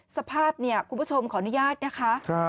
สภาพเนี่ยคุณผู้ชมขออนุญาตนะคะ